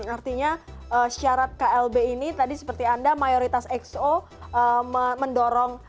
artinya syarat klb ini tadi seperti anda mayoritas exo mendorong